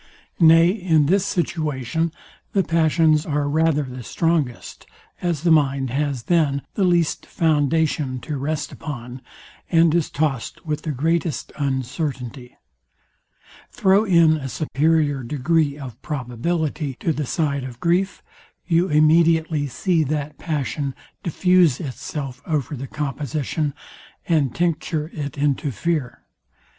Nay, in this situation the passions are rather the strongest, as the mind has then the least foundation to rest upon, and is tossed with the greatest uncertainty. Throw in a superior degree of probability to the side of grief, you immediately see that passion diffuse itself over the composition, and tincture it into fear.